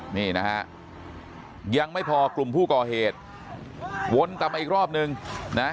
นี่นะฮะยังไม่พอกลุ่มผู้ก่อเหตุวนกลับมาอีกรอบนึงนะ